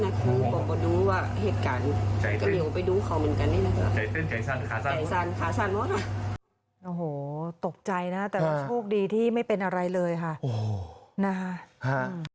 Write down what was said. ขับรถเข้าบ้านเลยคีย์รถเข้าบ้านเลยแบบ